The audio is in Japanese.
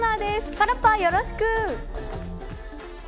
パラッパ、よろしく。